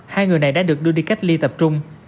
hai người này đã được đưa đi cách ly tập trung